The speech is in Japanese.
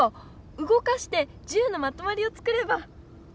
うごかして１０のまとまりを作れば。